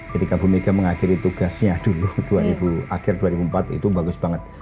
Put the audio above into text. ketika bu mega mengakhiri tugasnya dulu akhir dua ribu empat itu bagus banget